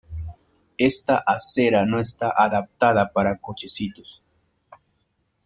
Esta acera no está adaptada para cochecitos.